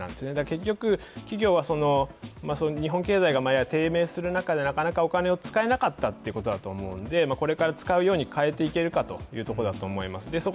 結局、企業は日本経済が低迷する中でなかなかお金を使えなかったいうことだと思うので、これから使うように変えていけるかというところだと思います。